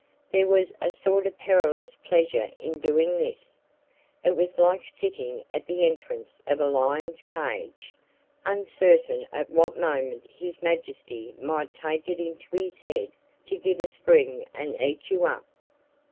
There was a sort of perilous pleasure in doing this. It was like sitting at the entrance of a lion's cage, uncertain at what moment his Majesty might take it into his head to give a spring and eat you up.